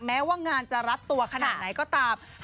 แม้ว่างานจะรัดตัวขนาดไหนก็ตาม